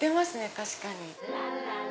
確かに。